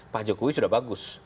pak jokowi sudah bagus